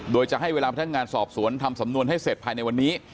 โดยจะให้เวลาพนักงานสอบสวนทำสำนวนให้เสร็จภายในวันนี้